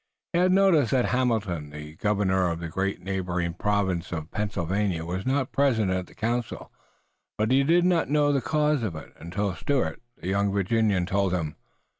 He had noticed that Hamilton, the governor of the great neighboring province of Pennsylvania, was not present at the council, but he did not know the cause of it until Stuart, the young Virginian, told him.